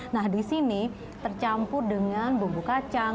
nah di sini tercampur dengan bumbu kacang